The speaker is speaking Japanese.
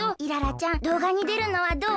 ちゃんどうがにでるのはどう？